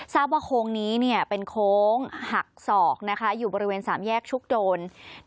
ทราบว่าโค้งนี้เป็นโค้งหักศอกนะคะอยู่บริเวณสามแยกชุกโดน